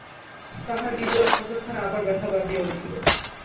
তাহার হৃদয়ের ক্ষতস্থানে আবার ব্যথা বাজিয়া উঠিল।